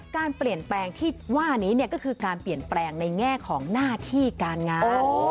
การเปลี่ยนแปลงที่ว่านี้ก็คือการเปลี่ยนแปลงในแง่ของหน้าที่การงาน